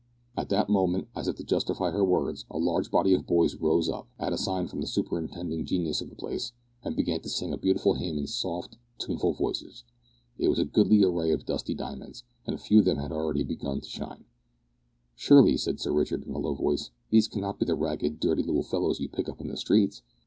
At that moment, as if to justify her words, a large body of boys rose up, at a sign from the superintending genius of the place, and began to sing a beautiful hymn in soft, tuneful voices. It was a goodly array of dusty diamonds, and a few of them had already begun to shine. "Surely," said Sir Richard, in a low voice, "these cannot be the ragged, dirty little fellows you pick up in the streets?"